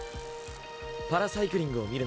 パラサイクリングを見るのは初めて？